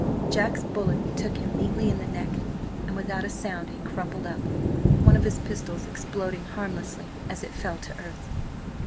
Jack's bullet took him neatly in the neck, and without a sound he crumpled up, one of his pistols exploding harmlessly as it fell to earth.